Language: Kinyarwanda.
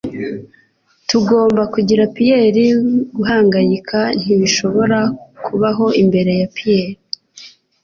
Tugomba kugira pie. Guhangayika ntibishobora kubaho imbere ya pie. ”